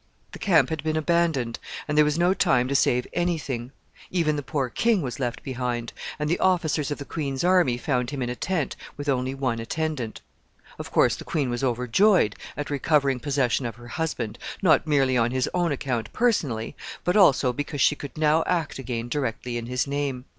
The camp had been abandoned, and there was no time to save any thing; even the poor king was left behind, and the officers of the queen's army found him in a tent, with only one attendant. Of course, the queen was overjoyed at recovering possession of her husband, not merely on his own account personally, but also because she could now act again directly in his name.